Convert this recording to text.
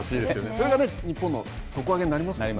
それが日本の底上げになりますからね。